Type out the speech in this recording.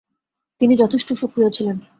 তিনি যথেষ্ট সক্রিয় ছিলেন।